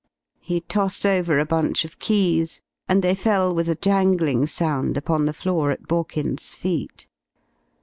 He tossed over a bunch of keys and they fell with a jangling sound upon the floor at Borkins's feet.